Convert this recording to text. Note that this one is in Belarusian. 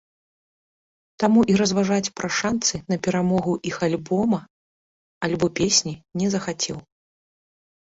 Таму і разважаць пра шанцы на перамогу іх альбома альбо песні не захацеў.